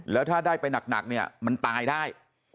แล้วถ้าได้ไปหนักเนี่ยมันตายได้